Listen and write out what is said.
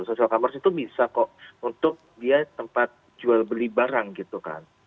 social commerce itu bisa kok untuk dia tempat jual beli barang gitu kan